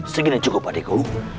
segini cukup adikku